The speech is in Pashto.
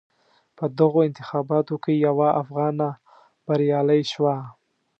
په دغو انتخاباتو کې یوه افغانه بریالی شوه.